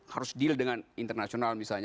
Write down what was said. harus deal dengan internasional misalnya